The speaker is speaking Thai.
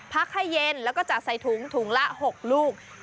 พักให้เย็นแล้วก็จัดใส่ถุงถุงละ๖ลูก